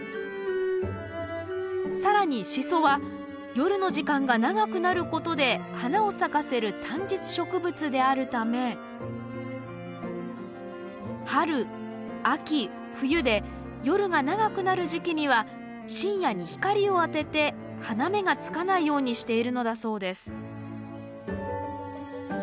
更にシソは夜の時間が長くなることで花を咲かせる短日植物であるため春・秋・冬で夜が長くなる時期には深夜に光を当てて花芽がつかないようにしているのだそうです